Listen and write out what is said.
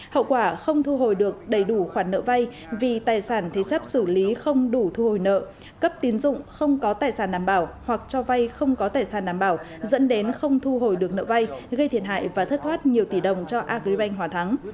hậu quả không thu hồi được đầy đủ khoản nợ vay vì tài sản thế chấp xử lý không đủ thu hồi nợ cấp tín dụng không có tài sản đảm bảo hoặc cho vay không có tài sản đảm bảo dẫn đến không thu hồi được nợ vay gây thiệt hại và thất thoát nhiều tỷ đồng cho agribank hòa thắng